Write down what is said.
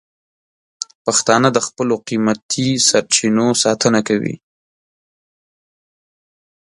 پښتانه د خپلو قیمتي سرچینو ساتنه کوي.